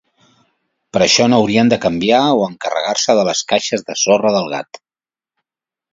Per això no haurien de canviar o encarregar-se de les caixes de sorra del gat.